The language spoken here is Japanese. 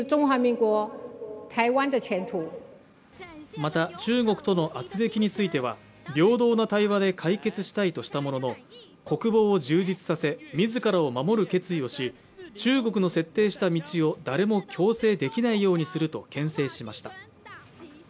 また中国とのあつれきについては平等な対話で解決したいとしたものの、国防を充実させ、自らを守る決意をし、中国の設定した道を誰も強制できないようにするとけん制しました。